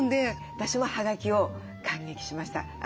私もはがきを感激しました。